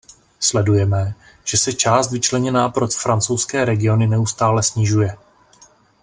Sledujeme, že se část vyčleněná pro francouzské regiony neustále snižuje.